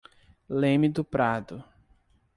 Leme do Prado